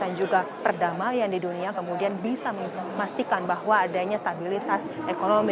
dan juga perdamaian di dunia kemudian bisa memastikan bahwa adanya stabilitas ekonomi